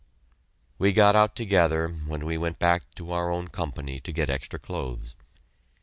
We got out together when we went back to our own Company to get extra clothes.